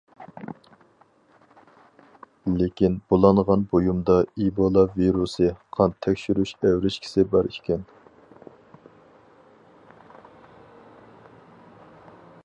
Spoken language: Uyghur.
لېكىن بۇلانغان بۇيۇمدا ئىبولا ۋىرۇسى قان تەكشۈرۈش ئەۋرىشكىسى بار ئىكەن.